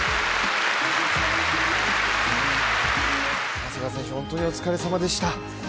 長谷川選手、本当にお疲れ様でした。